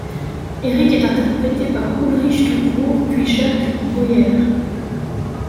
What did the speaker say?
Erik est interprété par Ulrich Tukur puis Jacques Breuer.